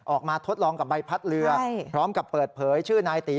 ทดลองกับใบพัดเรือพร้อมกับเปิดเผยชื่อนายตี